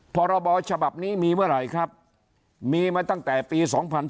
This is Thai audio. พรบฉบับนี้มีเมื่อไหร่ครับมีมาตั้งแต่ปี๒๔